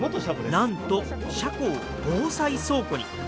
なんと車庫を防災倉庫に。